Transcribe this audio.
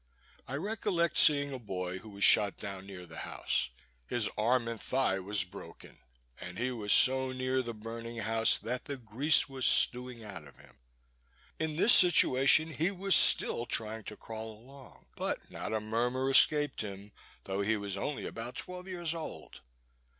I recollect seeing a boy who was shot down near the house. His arm and thigh was broken, and he was so near the burning house that the grease was stewing out of him. In this situation he was still trying to crawl along; but not a murmur escaped him, though he was only about twelve years old.